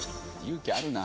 勇気あるな。